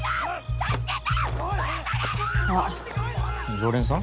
常連さん？